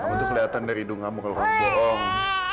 kamu tuh kelihatan dari hidung kamu kalau kamu bohong